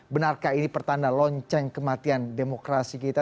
benarkah ini pertanda lonceng kematian demokrasi kita